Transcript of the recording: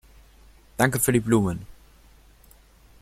Danke für die Blumen.